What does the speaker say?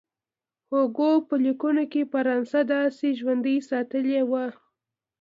هوګو په لیکونو کې فرانسه داسې ژوندۍ ساتلې وه.